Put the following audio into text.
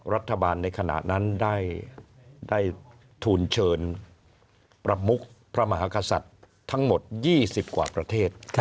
รัฐบาลในขณะนั้นได้ทูลเชิญประมุกพระมหากษัตริย์ทั้งหมด๒๐กว่าประเทศ